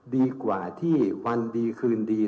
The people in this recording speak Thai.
ดีกว่าที่วันดีคืนดี